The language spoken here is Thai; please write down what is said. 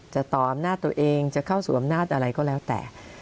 ต่ออำนาจตัวเองจะเข้าสู่อำนาจอะไรก็แล้วแต่